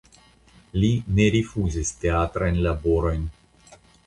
Li ne rifuzis teatrajn laborojn.